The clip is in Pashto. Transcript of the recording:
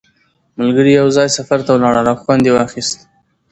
ملګري یو ځای سفر ته ولاړل او خوند یې واخیست